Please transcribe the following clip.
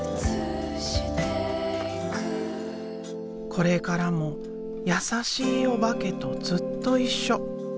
これからも優しいおばけとずっと一緒。